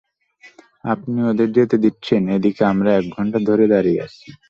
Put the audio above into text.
আপনি ওদের যেতে দিচ্ছেন, এদিকে আমরা এক ঘন্টা ধরে দাঁড়িয়ে আছি?